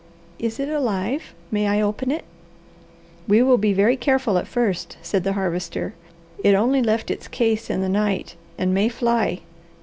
"Is it alive? May I open it?" "We will be very careful at first," said the Harvester. "It only left its case in the night and may fly.